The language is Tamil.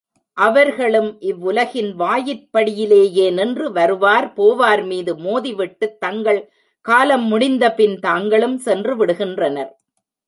அவர்ளும் இவ்வுலகின் வாயிற்படியிலேயே நின்று, வருவார் போவார்மீது மோதிவிட்டுத் தங்கள் காலம் முடிந்தபின் தாங்களும் சென்றுவிடுகின்றனர்.